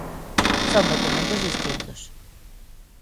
Son documentos distintos.